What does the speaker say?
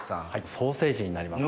ソーセージになります。